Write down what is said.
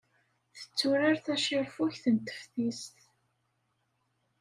Tetturar tacirfugt n teftist.